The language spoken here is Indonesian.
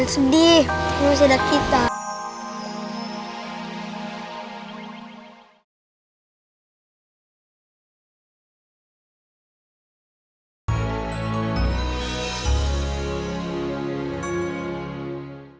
kakek aku jangan sedih dong